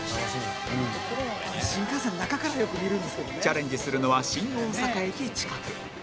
チャレンジするのは新大阪駅近く